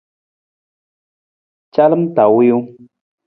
Calam ta wiiwung.